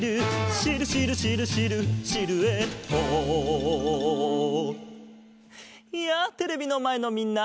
「シルシルシルシルシルエット」やあテレビのまえのみんな！